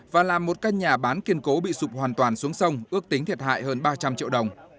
và làm một căn nhà bán kiên cố bị sụp hoàn toàn xuống sông ước tính thiệt hại hơn ba trăm linh triệu đồng